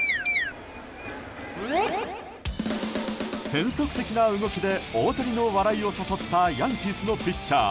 変則的な動きで大谷の笑いを誘ったヤンキースのピッチャー